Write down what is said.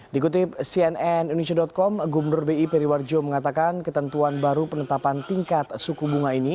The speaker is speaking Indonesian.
dikutip cnn indonesia com gubernur bi periwarjo mengatakan ketentuan baru penetapan tingkat suku bunga ini